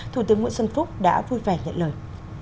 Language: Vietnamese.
thủ tướng nguyễn xuân phúc đã vui vẻ nhận lời